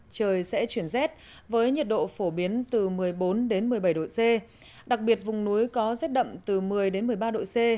trời sẽ chuyển rét với nhiệt độ phổ biến từ một mươi bốn một mươi bảy độ c đặc biệt vùng núi có rét đậm từ một mươi một mươi ba độ c